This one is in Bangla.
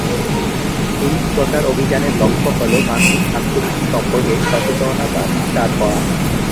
এই প্রচারাভিযানের লক্ষ্য হল মাসিক স্বাস্থ্যবিধি সম্পর্কে সচেতনতা বিস্তার করা।